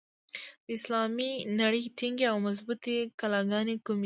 د اسلامي نړۍ ټینګې او مضبوطي کلاګانې کومي دي؟